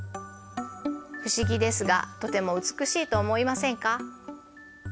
不思議ですがとても美しいと思いませんか？